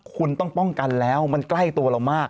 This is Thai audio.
คุณต้องป้องกันแล้วมันใกล้ตัวเรามาก